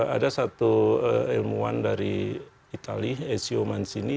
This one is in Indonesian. ada satu ilmuwan dari itali ezio mancini